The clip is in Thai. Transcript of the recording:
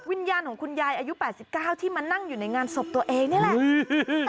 วิญญาณของคุณยายอายุ๘๙ที่มานั่งอยู่ในงานศพตัวเองนี่แหละ